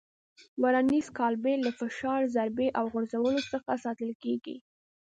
ورنیز کالیپر له فشار، ضربې او غورځولو څخه ساتل کېږي.